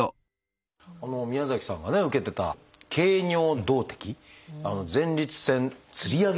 宮崎さんがね受けてた経尿道的前立腺吊り上げ術っていう。